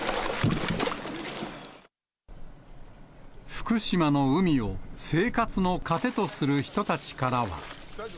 福島の海を生活の糧とする人たちからは。